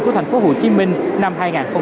của tp hcm năm hai nghìn hai mươi ba